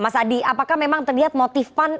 jadi memang terlihat motif pan